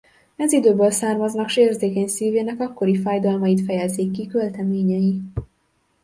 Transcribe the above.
Ez időből származnak s érzékeny szívének akkori fájdalmait fejezik ki költeményei.